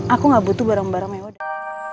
aku gak butuh barang barang mewadah